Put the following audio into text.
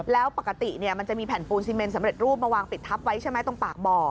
แล้วปกติมันจะมีแผ่นปูนซีเมนสำเร็จรูปมาวางปิดทับไว้ใช่ไหมตรงปากบ่อ